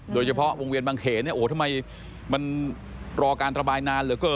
โดยเฉพาะวงเวียนบางเคน